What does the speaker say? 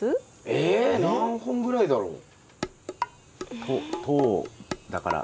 え何本ぐらいだろう？え？